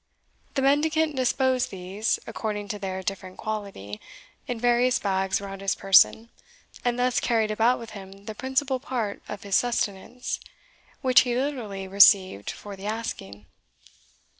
The mendicant disposed these, according to their different quality, in various bags around his person, and thus carried about with him the principal part of his sustenance, which he literally received for the asking.